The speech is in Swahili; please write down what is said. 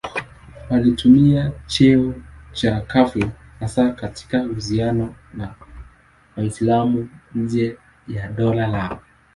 Walitumia cheo cha khalifa hasa katika uhusiano na Waislamu nje ya dola lao.